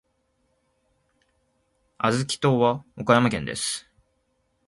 小豆島は岡山県です。